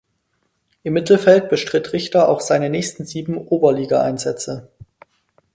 Im Mittelfeld bestritt Richter auch seine nächsten sieben Oberligaeinsätze.